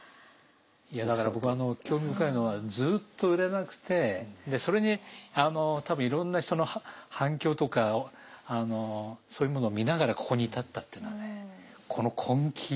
いやだから僕は興味深いのはずっと売れなくてそれにあの多分いろんな人の反響とかあのそういうものを見ながらここに至ったっていうのはねこの根気。